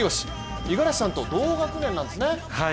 五十嵐さんと同学年なんですね。